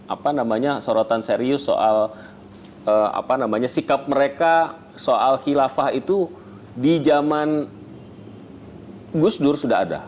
apa namanya sorotan serius soal sikap mereka soal khilafah itu di zaman gus dur sudah ada